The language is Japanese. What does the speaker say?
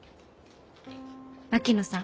槙野さん